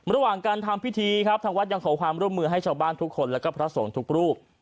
ระหว่างการทำพิธีครับทางวัดยังขอความร่วมมือให้ชาวบ้านทุกคนแล้วก็พระสงฆ์ทุกรูป